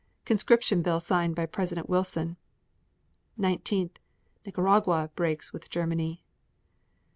Conscription bill signed by President Wilson. 19. Nicaragua breaks with Germany. 22 26.